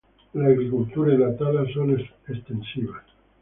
La agricultura y la tala son extensivas.